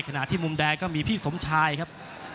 ขณะที่มุมแดงก็มีพี่สมชายครับ